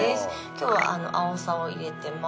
「今日はあおさを入れてます」